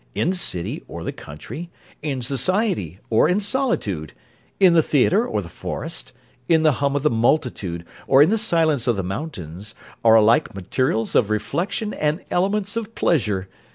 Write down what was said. In the city, or the country in society, or in solitude in the theatre, or the forest in the hum of the multitude, or in the silence of the mountains, are alike materials of reflection and elements of pleasure.